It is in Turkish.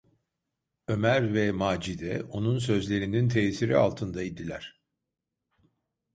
Ömer ve Macide onun sözlerinin tesiri altında idiler.